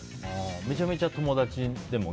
めちゃめちゃ友達でも？